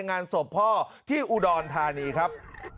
งานศพพ่อที่อุดรธานีครับ